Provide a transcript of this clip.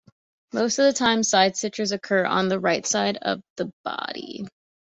Most of the time, side stitches occur on the right side of the body.